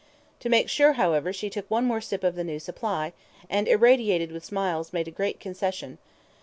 To make sure, however, she took one more sip of the new supply, and, irradiated with smiles, made a great concession.